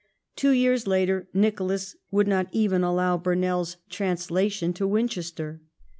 Two years later Nicolas would not even allow Burnell's trans lation to Winchester.